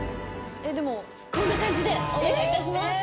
こんな感じでお願いいたします！